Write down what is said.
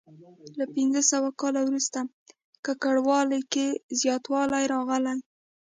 له پنځه سوه کال وروسته ککړوالي کې زیاتوالی راغلی.